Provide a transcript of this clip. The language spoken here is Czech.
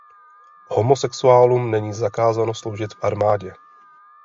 Homosexuálům není zakázáno sloužit v armádě.